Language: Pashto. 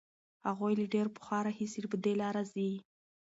هغوی له ډېر پخوا راهیسې په دې لاره ځي.